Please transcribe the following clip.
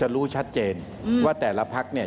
รู้ชัดเจนว่าแต่ละพักเนี่ย